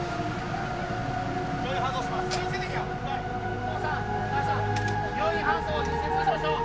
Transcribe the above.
「お父さんお母さん病院搬送を優先させましょう！」。